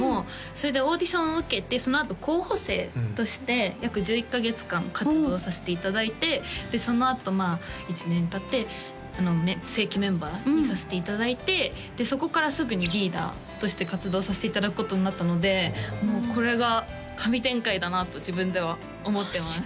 それでオーディションを受けてそのあと候補生として約１１カ月間活動させていただいてそのあと１年たって正規メンバーにさせていただいてそこからすぐにリーダーとして活動させていただくことになったのでこれが神展開だなと自分では思ってます